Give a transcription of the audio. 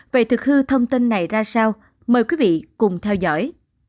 vậy thực hư thông tin này ra sao mời quý vị cùng theo dõi